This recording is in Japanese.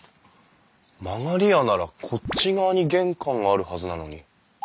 曲り家ならこっち側に玄関があるはずなのに。